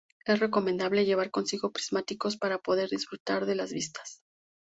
Es recomendable llevar consigo prismáticos para poder disfrutar de las vistas.